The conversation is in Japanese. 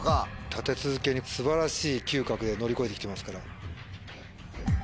立て続けに素晴らしい嗅覚で乗り越えてきてますから。